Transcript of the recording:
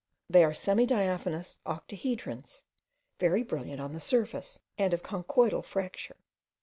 They are semi diaphanous octahedrons, very brilliant on the surface, and of a conchoidal fracture.